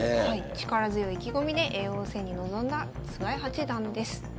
力強い意気込みで叡王戦に臨んだ菅井八段です。